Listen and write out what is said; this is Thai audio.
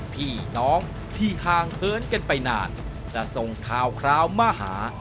พี่น้องที่ห่างเหินกันไปนานจะส่งข่าวคราวมาหา